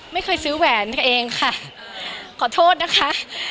ไม่เคยซื้อแหวนตัวเองค่ะขอโทษนะคะ